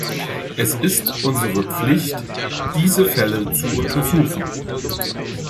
Es ist unsere Pflicht, diese Fälle zu untersuchen.